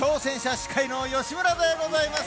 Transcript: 司会の吉村でございます。